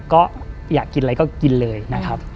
ก็อยากกินอะไรก็กินเลยนะครับ